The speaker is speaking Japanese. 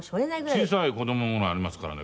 小さい子供ぐらいありますからね。